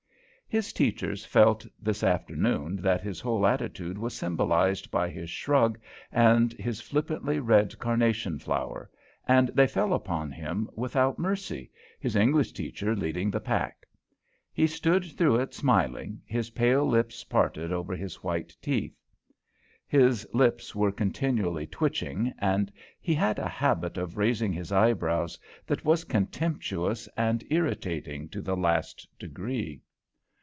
His teachers felt this afternoon that his whole attitude was symbolized by his shrug and his flippantly red carnation flower, and they fell upon him without mercy, his English teacher leading the pack. He stood through it smiling, his pale lips parted over his white teeth. (His lips were continually twitching, and he had a habit of raising his eyebrows that was contemptuous and irritating to the last degree.)